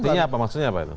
artinya apa maksudnya apa itu